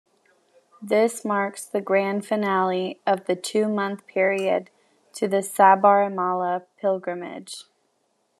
This marks the grand finale of the two-month period to the Sabarimala pilgrimage.